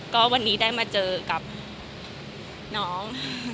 ก็วันนี้ได้มาเจอกับน้อง